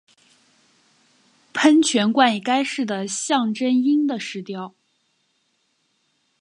喷泉冠以该市的象征鹰的石雕。